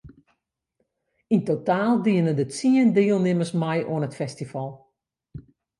Yn totaal diene der tsien dielnimmers mei oan it festival.